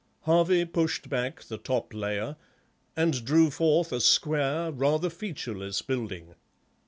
Harvey pushed back the top layer and drew forth a square, rather featureless building.